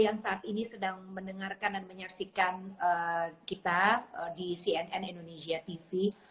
yang saat ini sedang mendengarkan dan menyaksikan kita di cnn indonesia tv